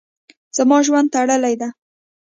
زما ژوند تړلی ده.